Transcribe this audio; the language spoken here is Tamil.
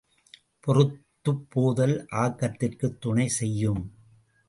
பொறுத்துப் போதல் ஆக்கத்திற்குத் துணை செய்யும்.